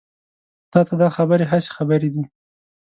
تا ته دا خبرې هسې خبرې دي.